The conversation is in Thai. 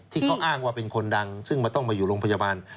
ที่เขาอ้างว่าเป็นคนดังซึ่งมันต้องมาอยู่โรงพยาบาล